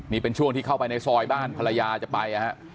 นี่เป็นช่วงที่เข้าไปในซอยบ้านภรรยาจะไปนะฮะ